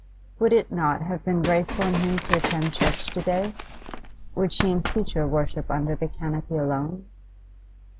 Would it not have been graceful in him to attend church to day? Would she in future worship under the canopy alone?